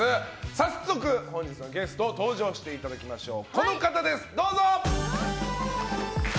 早速本日のゲストに登場していただきましょう。